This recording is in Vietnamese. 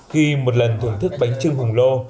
khi một lần thưởng thức bánh chưng hùng lô